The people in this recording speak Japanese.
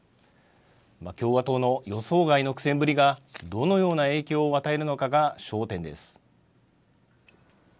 共和党の予想外の苦戦ぶりが、どのような影響を与えるのかが焦点です。